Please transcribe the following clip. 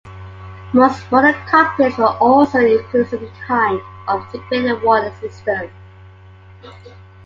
Most modern cockpits will also include some kind of integrated warning system.